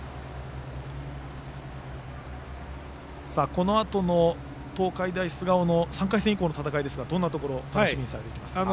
このあとの東海大菅生の３回戦以降の戦いですがどんなところを楽しみにされますか？